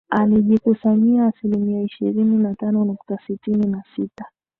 alijikusanyia asilimia ishirini na tano nukta sitini na sita